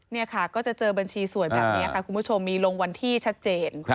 นี่ค่ะก็จะเจอบัญชีสวยแบบนี้ค่ะคุณผู้ชมมีลงวันที่ชัดเจน